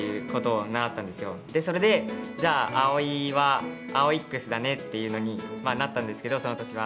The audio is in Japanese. それでじゃあ碧生は「アオイックス」だねっていうのになったんですけどその時は。